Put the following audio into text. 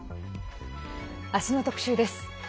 明日の特集です。